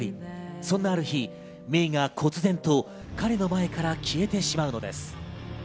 そんなある日、メイがこつ然と彼の前から消えてしまうのです。